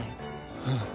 うん。